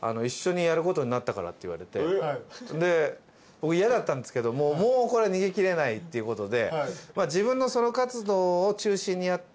僕嫌だったんですけどもう逃げ切れないっていうことで。